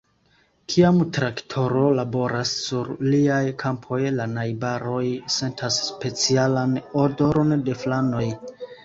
Kiam traktoro laboras sur liaj kampoj, la najbaroj sentas specialan odoron de flanoj.